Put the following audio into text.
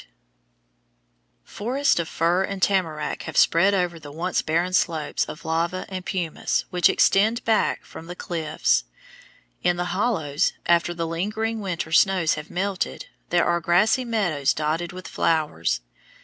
Upon the right is Wizard Island, a volcanic cone] Forests of fir and tamarack have spread over the once barren slopes of lava and pumice which extend back from the cliffs. In the hollows, after the lingering winter snows have melted, there are grassy meadows dotted with flowers.